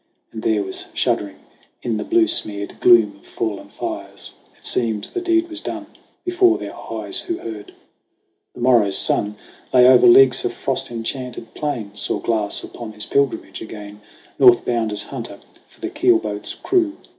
And there was shuddering in the blue smeared gloom Of fallen fires. It seemed the deed was done Before their eyes who heard. The morrow's sun, Low over leagues of frost enchanted plain, Saw Glass upon his pilgrimage again, Northbound as hunter for the keelboat's crew.